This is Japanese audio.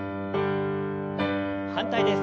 反対です。